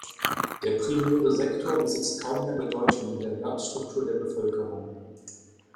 Der primäre Sektor besitzt kaum mehr Bedeutung in der Erwerbsstruktur der Bevölkerung.